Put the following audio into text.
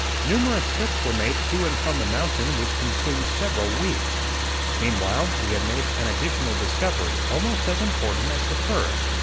Numerous trips were made to and from the mountain which consumed several weeks. Meanwhile we had made an additional discovery, almost as important as the first.